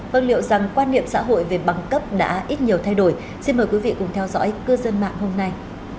vâng liệu rằng quan niệm xã hội về bằng cấp đã ít nhiều thay đổi xin mời quý vị cùng theo dõi cư dân mạng hôm nay